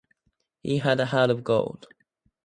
He had a heart of gold.